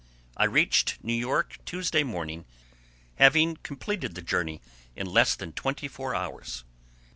I reached New York Tuesday morning, having completed the journey in less than twenty four hours.